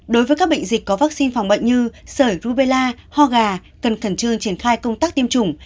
đối với các bệnh dịch có vaccine phòng bệnh như sởi rubella ho gà cần khẩn trương triển khai công tác tiêm chủng